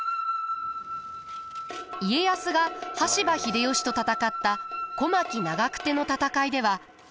家康が羽柴秀吉と戦った小牧長久手の戦いでは。